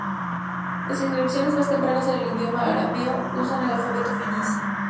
Las inscripciones más tempranas en el idioma arameo usan el alfabeto fenicio.